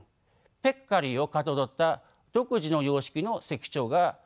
ペッカリーをかたどった独自の様式の石彫が出土しているだけです。